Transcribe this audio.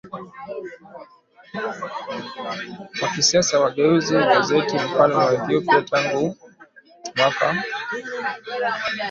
wa kisiasa wa Negus Negesti Mfalme wa Ethiopia Tangu mwaka